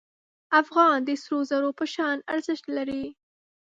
افغان د سرو زرو په شان ارزښت لري.